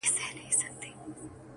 چي هامان ته خبر ورغى موسکی سو -